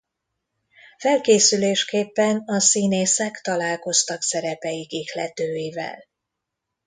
Felkészülésképpen a színészek találkoztak szerepeik ihletőivel.